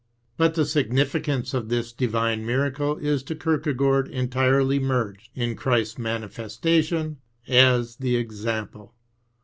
But the simiificance of this divine miracle is to Kierkegaard entirely merged in Christ's manifestation as the Example.